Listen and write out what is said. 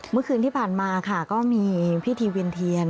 เมื่อคืนที่ผ่านมาค่ะก็มีพิธีเวียนเทียน